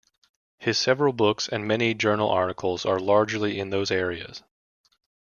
His several books and many journal articles are largely in those areas.